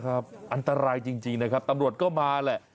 อันตรายจริงนะครับตำรวจก็มาแหละ